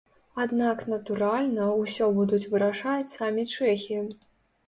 Аднак, натуральна, усё будуць вырашаць самі чэхі.